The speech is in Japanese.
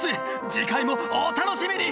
次回もお楽しみに！